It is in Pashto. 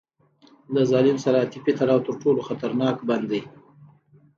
له ظالم سره عاطفي تړاو تر ټولو خطرناک بند دی.